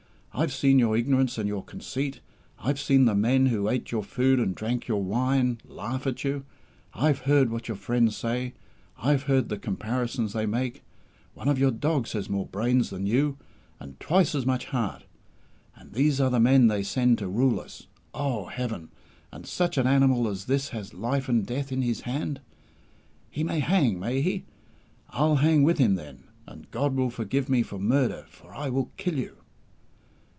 I've seen your ignorance and your conceit. I've seen the men who ate your food and drank your wine laugh at you. I've heard what your friends say; I've heard the comparisons they make. One of your dogs has more brains than you, and twice as much heart. And these are the men they send to rule us! Oh, Heaven! And such an animal as this has life and death in his hand! He may hang, may he? I'll hang with him, then, and God will forgive me for murder, for I will kill you!"